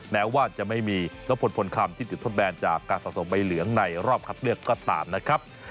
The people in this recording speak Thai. แม้ว่าจะไม่มีลบพลพลคำที่ติดทดแบนจากการสะสมใบเหลืองในรอบคัดเลือกก็ตามนะครับ